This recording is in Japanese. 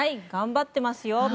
頑張っていますよ。